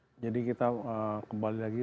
setujui untuk menurangi emisi